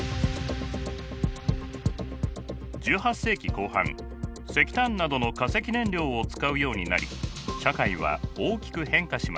１８世紀後半石炭などの化石燃料を使うようになり社会は大きく変化しました。